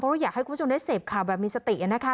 เพราะเราอยากให้คุณผู้ชมเหตุข่าวแบบมีสตินะคะ